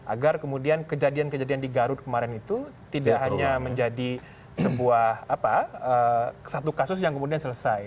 agar kemudian kejadian kejadian di garut kemarin itu tidak hanya menjadi sebuah satu kasus yang kemudian selesai